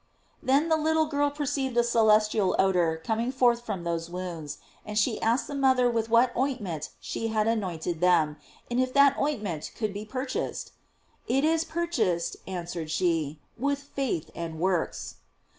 Then the little girl perceived a celestial odor coming forth from those wounds, and she asked the mother with what ointment she had anoint ed them, and if that ointment could be pur chased? "It is purchased," answered she, "with faith and works."